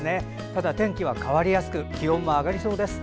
ただ、天気は変わりやすく気温も上がりそうです。